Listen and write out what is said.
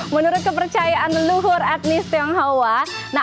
menurut kepercayaan leluhur etnis tionghoa